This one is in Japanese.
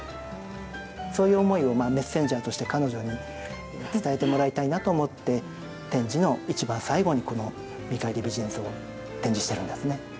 そういう思いをメッセンジャーとして彼女に伝えてもらいたいなと思って展示の一番最後にこの「見返り美人図」を展示してるんですね。